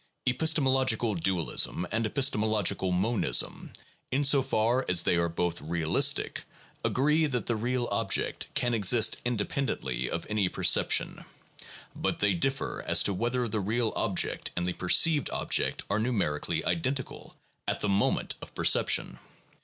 Epistemological dualism and epis temological monism, in so far as they are both realistic, agree that the real object can exist independently of any perception; but they differ as to whether the real object and the perceived object are numerically identical at the moment of perception.